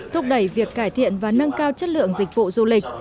thúc đẩy việc cải thiện và nâng cao chất lượng dịch vụ du lịch